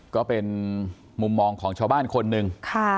ก็เป็นมุมมองของชาวบ้านคนหนึ่ง